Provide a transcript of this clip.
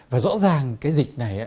và rõ ràng cái dịch này